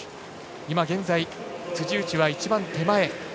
いま現在、辻内は一番手前。